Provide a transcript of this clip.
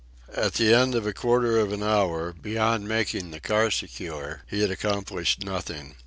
At the end of a quarter of an hour, beyond making the car secure, he had accomplished nothing.